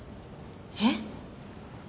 えっ？